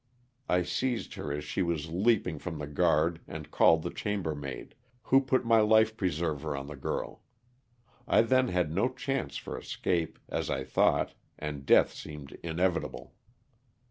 I seized her as she was leaping from the guard and called the chambermaid, who put my life preserver on the girl. I then had no chance for escape, as I thought, and death seemed inevitable.